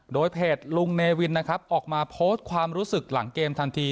โดยเพจลุงเนวินนะครับออกมาโพสต์ความรู้สึกหลังเกมทันที